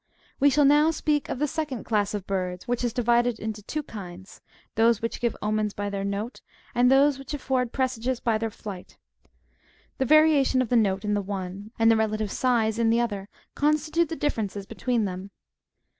We shall now speak of the second class of birds, which is divided into two kinds ; those which give omens ''' by their note, and those which afford presages by their flight. The varia tion of the note in the one, and the relative size in the other, constitute the differences between them.